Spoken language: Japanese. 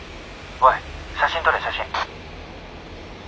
「おい写真撮れ写真」。